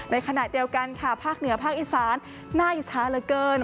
ในขณะเดียวกันค่ะภาคเหนือภาคอีสานน่าอิจฉาเหลือเกิน